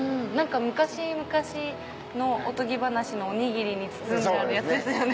昔々のおとぎ話のおにぎりに包んであるやつですよね。